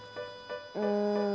うん。